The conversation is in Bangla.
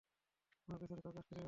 আমার পেছনে কাউকে আসতে দেবে না।